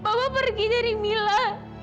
papa pergi dari mila